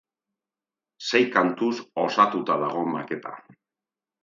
Sei kantuz osatuta dago maketa.